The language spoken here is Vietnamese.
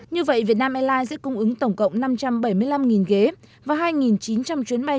như vậy việt nam airlines sẽ cung ứng tổng cộng năm trăm bảy mươi năm ghế và hai chín trăm linh chuyến bay